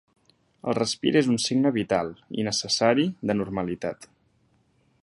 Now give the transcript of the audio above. El respir és un signe vital, i necessari, de normalitat.